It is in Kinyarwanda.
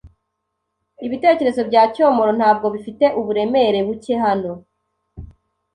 Ibitekerezo bya Cyomoro ntabwo bifite uburemere buke hano